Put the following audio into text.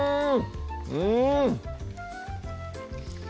うん！